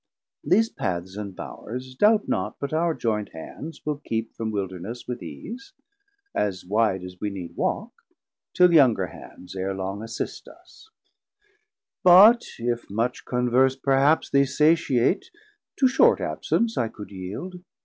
These paths and Bowers doubt not but our joynt hands Will keep from Wilderness with ease, as wide As we need walk, till younger hands ere long Assist us: But if much converse perhaps Thee satiate, to short absence I could yeild.